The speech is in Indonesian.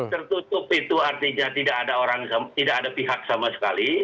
tertutup itu artinya tidak ada pihak sama sekali